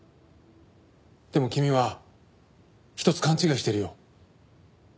でも君は一つ勘違いをしてるよ。